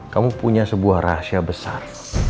kamu punya sebuah rahasia besar